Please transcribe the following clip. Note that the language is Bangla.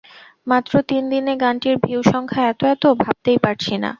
মাত্র তিন দিনে গানটির ভিউ সংখ্যা এত এত, ভাবতেই পারছি না।